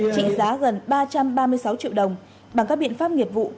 trị giá gần ba trăm ba mươi sáu triệu đồng bằng các biện pháp nghiệp vụ